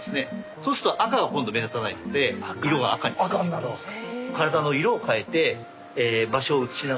そうすると赤が今度目立たないので色が赤に変わっていくんです。